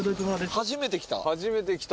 初めて来た。